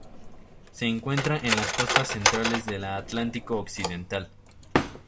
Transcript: Se encuentra en las costas centrales de la Atlántico Occidental.